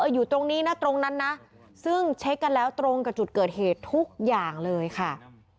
อยู่ตรงนี้นะตรงนั้นนะซึ่งเช็คกันแล้วตรงกับจุดเกิดเหตุทุกอย่างเลยค่ะ